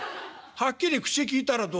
はっきり口きいたらどうだよ」。